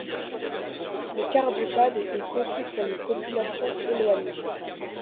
Le CardioPad est conçu pour les populations éloignées.